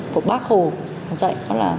của bác hồ dạy